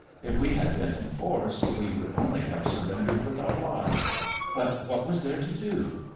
If we had been in force, we would only have surrendered with our lives. But what was there to do